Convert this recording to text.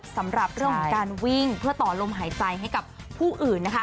สำหรับเรื่องของการวิ่งเพื่อต่อลมหายใจให้กับผู้อื่นนะคะ